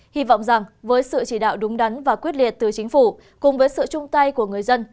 hy vọng rằng với sự chỉ đạo đúng đắn và quyết liệt từ chính phủ cùng với sự chung tay của người dân